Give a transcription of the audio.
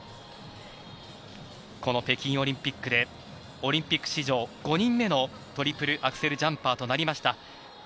この北京オリンピックでオリンピック史上５人目のトリプルアクセルジャンパーとなりました。